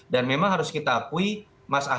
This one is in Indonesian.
dan memang harus kita akui mas ahy belum sampai sekarang